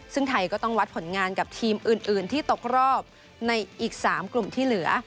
ซึ่งไทยก็ต้องวัดผลงานกับทีมอื่นที่ตกรอบในอีก๓กลุ่มที่เหลือ